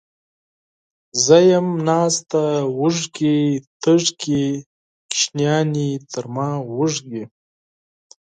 زه یم ناسته وږې، تږې، ماشومانې تر ما وږي